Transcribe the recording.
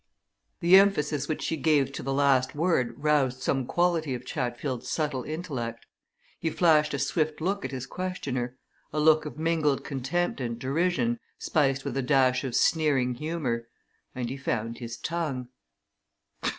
The emphasis which she gave to the last word roused some quality of Chatfield's subtle intellect. He flashed a swift look at his questioner a look of mingled contempt and derision, spiced with a dash of sneering humour. And he found his tongue.